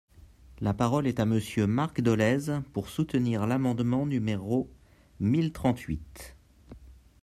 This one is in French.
La parole est à Monsieur Marc Dolez, pour soutenir l’amendement numéro mille trente-huit.